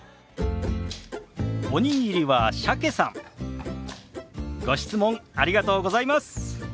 おにぎりは鮭さんご質問ありがとうございます。